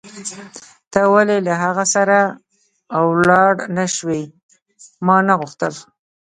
ته ولې له هغه سره ولاړ نه شوې؟ ما نه غوښتل.